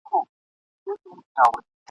په ارمان یې د نارنج او د انار یم !.